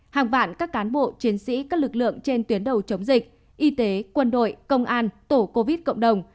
hàng vạn các cán bộ chiến sĩ các lực lượng trên tuyến đầu chống dịch y tế quân đội công an tổ covid cộng đồng